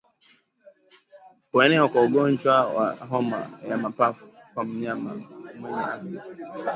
Kuenea kwa ugonjwa wa homa ya mapafu kwa mnyama mwenye afya